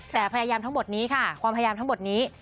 แต่พยายามทั้งหมดนี้ค่ะความพยายามทั้งหมดนี้